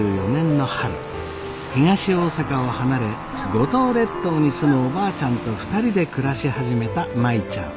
東大阪を離れ五島列島に住むおばあちゃんと２人で暮らし始めた舞ちゃん。